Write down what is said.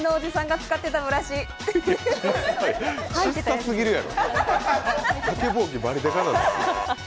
ちっさすぎるやろ。